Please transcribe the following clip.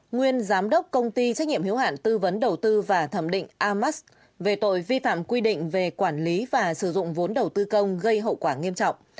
nguyên giám đốc công ty trách nhiệm hiếu hạn tư vấn đầu tư và thẩm định amax về tội vi phạm quy định về quản lý và sử dụng vốn đầu tư công gây hậu quả nghiêm trọng